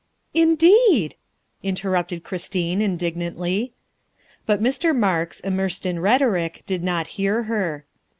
''" Indeed!" interrupted Christine indignantly. But Mr. Marks, immersed in rhetoric, did not hear her.